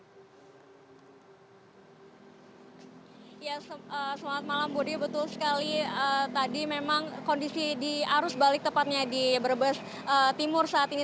selamat malam budi betul sekali tadi memang kondisi di arus balik tepatnya di brebes timur saat ini